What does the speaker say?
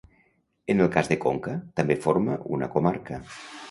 En el cas de Conca, també forma una comarca.